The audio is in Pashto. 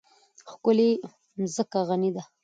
ښکلې مځکه غني ده.